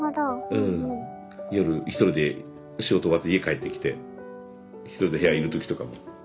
うん夜一人で仕事終わって家帰ってきて一人で部屋いる時とかも。